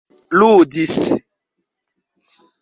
ludis